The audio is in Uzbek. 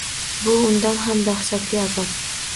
Bu undan ham dahshatli azob.